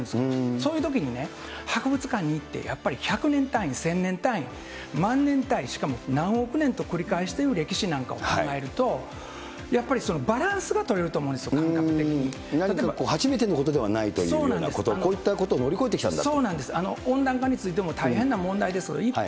そういうときにね、博物館に行って、やっぱり１００年単位、１０００年単位、万年単位、しかも何億年と繰り返してる歴史なんかを考えると、やっぱりバランスが取れると思うんですよ、初めてのことではないというようなこと、こういったことを乗り越えてきたんだと。